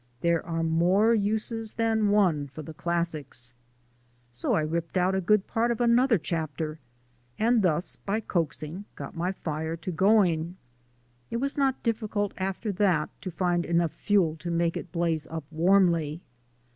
There are more uses than one for the classics." So I ripped out a good part of another chapter, and thus, by coaxing, got my fire to going. It was not difficult after that to find enough fuel to make it blaze up warmly.